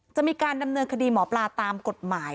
จะมีการดำเนินคดีหมอปลาตามกฎหมาย